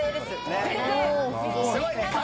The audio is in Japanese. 「すごいね」